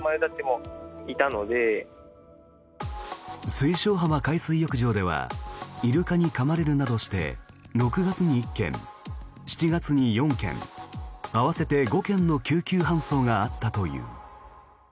水晶浜海水浴場ではイルカにかまれるなどして６月に１件、７月に４件合わせて５件の救急搬送があったという。